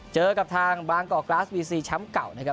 เจอกับทางบางก่อกราศวีซีช้ำเก่า